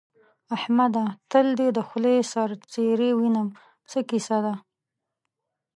احمده! تل دې د خولۍ سر څيرې وينم؛ څه کيسه ده؟